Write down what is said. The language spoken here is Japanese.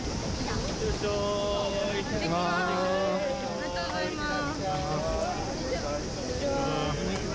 ありがとうございます。